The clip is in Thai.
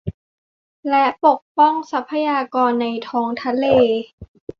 และปกป้องทรัพยากรในท้องทะเล